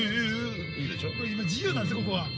◆今、自由なんですね、ここは。◆